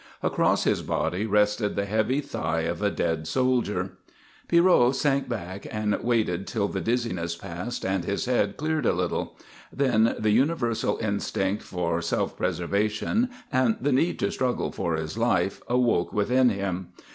Across his body rested the heavy thigh of a dead soldier. Pierrot sank back and waited till the dizziness passed and his head cleared a little. Then the universal instinct for self preservation and the need to struggle for his life awoke within him.